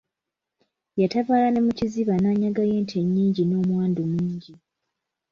Yatabaala ne mu Kiziba n'anyagayo ente nnyingi n'omwandu mungi.